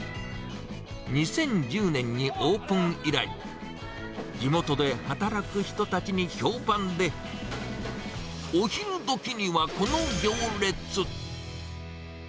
２０１０年にオープン以来、地元で働く人たちに評判で、お昼どきには、この行列。